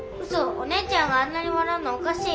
お姉ちゃんがあんなにわらうのおかしい。